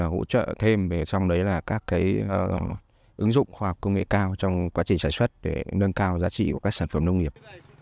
hỗ trợ thêm về trong đấy là các ứng dụng khoa học công nghệ cao trong quá trình sản xuất để nâng cao giá trị của các sản phẩm nông nghiệp